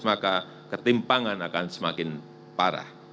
maka ketimpangan akan semakin parah